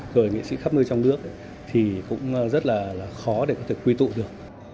rồi nghệ sĩ khắp nơi trong nước thì cũng rất là khó để có thể quy tụ được